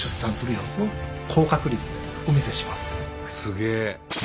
すげえ！